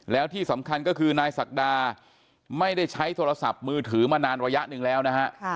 แล้วที่สำคัญก็คือนายศักดาไม่ได้ใช้โทรศัพท์มือถือมานานระยะหนึ่งแล้วนะฮะ